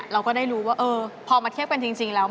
เราก็ได้รู้ว่าพอมาเทียบกันจริงแล้ว